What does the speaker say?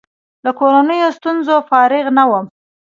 له کورنیو ستونزو فارغ نه وم.